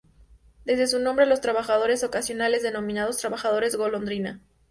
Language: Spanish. Debe su nombre a los trabajadores ocasionales, denominados "trabajadores golondrina".